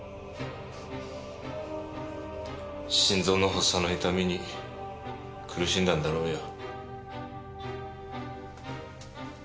心臓の発作の痛みに苦しんだんだろうよ。